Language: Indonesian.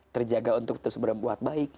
terjaga untuk terbuat baik